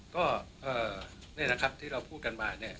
ก็นี่แหละครับที่เราพูดกันมาเนี่ย